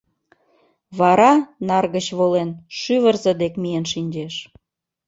Вара, нар гыч волен, шӱвырзӧ дек миен шинчеш.